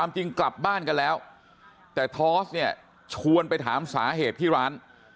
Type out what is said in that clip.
จริงกลับบ้านกันแล้วแต่ทอสเนี่ยชวนไปถามสาเหตุที่ร้าน